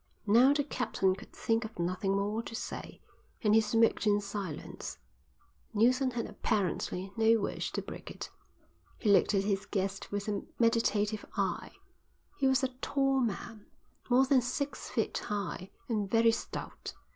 Now the captain could think of nothing more to say, and he smoked in silence. Neilson had apparently no wish to break it. He looked at his guest with a meditative eye. He was a tall man, more than six feet high, and very stout.